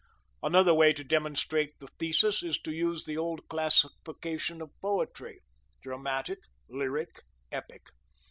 Another way to demonstrate the thesis is to use the old classification of poetry: dramatic, lyric, epic.